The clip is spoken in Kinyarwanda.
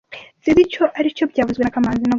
S Sinzi icyo aricyo byavuzwe na kamanzi